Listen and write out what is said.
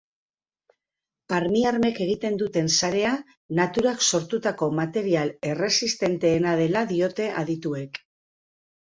Armiarmek egiten duten sarea naturak sortutako material erresistenteena dela diote adituek.